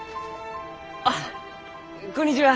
あっこんにちは。